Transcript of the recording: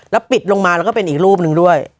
ปิดลงมาแล้วก็เป็นอีกรูปหนึ่งด้วย